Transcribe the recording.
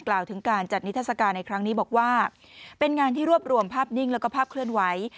กล่าวถึงการจัดนิทัศกาลในครั้งนี้บอกว่าเป็นงานที่รวบรวมภาพนิ่งแล้วก็ภาพเคลื่อนไหว